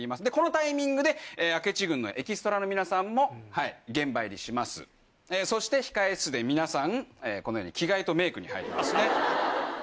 でこのタイミングで明智軍のエキストラの皆さんも現場入りしますそして控室で皆さんこのように着替えとメイクに入りますね。